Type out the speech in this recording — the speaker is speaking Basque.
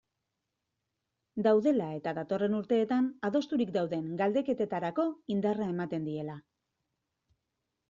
Daudela eta datorren urteetan adosturik dauden galdeketetarako indarra ematen diela.